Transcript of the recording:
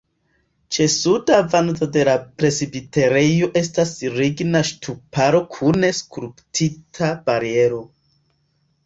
Ĉe suda vando de la presbiterejo estas ligna ŝtuparo kun skulptita bariero.